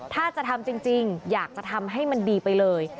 ถ้าจะทำจริงอยากจะทำให้มันดีไปเลย